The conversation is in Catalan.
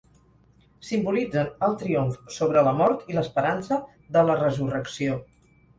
Simbolitzen el triomf sobre la mort i l'esperança de la resurrecció.